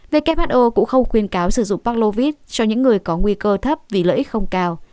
who cũng không khuyên cáo sử dụng parklovis cho những người có nguy cơ thấp vì lợi ích không cao